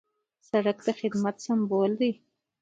سړک د خدمت سمبول دی.